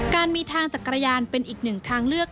การมีทางจักรยานเป็นอีกหนึ่งทางเลือก